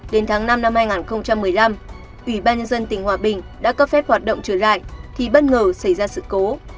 đến tháng năm năm hai nghìn một mươi năm ủy ban nhân dân tỉnh hòa bình đã cấp phép hoạt động trở lại thì bất ngờ xảy ra sự cố